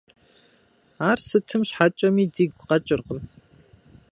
Ар сытым щхьэкӀэми дигу къэкӀыркъым.